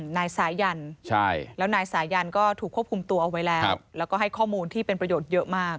นายสายันแล้วนายสายันก็ถูกควบคุมตัวเอาไว้แล้วแล้วก็ให้ข้อมูลที่เป็นประโยชน์เยอะมาก